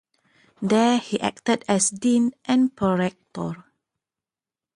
There he acted as dean and Prorector.